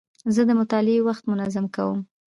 زه د مطالعې وخت منظم کوم.